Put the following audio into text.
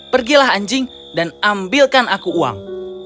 pergilah anjing dan ambilkan aku uang